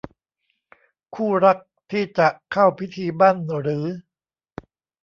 คู่รักที่จะเข้าพิธีหมั้นหรือ